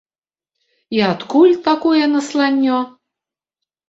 І адкуль такое насланнё?